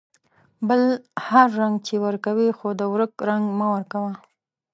بل هر رنگ چې ورکوې ، خو د ورک رنگ مه ورکوه.